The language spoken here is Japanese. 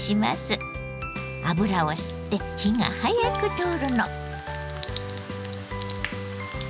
油を吸って火が早く通るの。